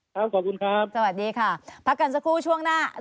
ขอบคุณครับสวัสดีค่ะพักกันสักครู่ช่วงหน้า